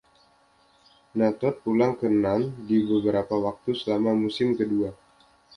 Na'Toth pulang ke Narn di beberapa waktu selama musim kedua.